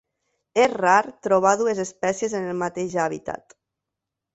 És rar trobar dues espècies en el mateix hàbitat.